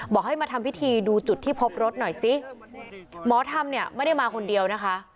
ให้มาทำพิธีดูจุดที่พบรถหน่อยสิหมอธรรมเนี่ยไม่ได้มาคนเดียวนะคะ